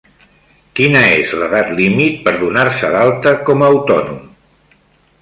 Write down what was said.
Quina és l'edat límit per donar-se d'alta com a autònom?